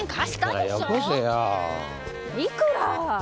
いくら！？